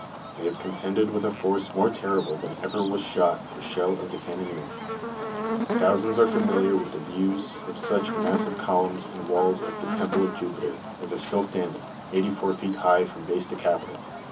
They have contended with a force more terrible than ever was shot or shell of the cannonier. Thousands are familiar with the views of such massive columns and walls of the Temple of Jupiter as are still standing, eighty four feet high from base to capital.